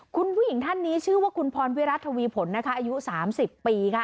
คุณผู้หญิงท่านนี้ชื่อว่าคุณพรวิรัติทวีผลนะคะอายุ๓๐ปีค่ะ